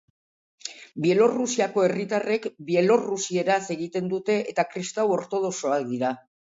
Bielorrusiako herritarrek bielorrusieraz egiten dute eta kristau ortodoxoak dira.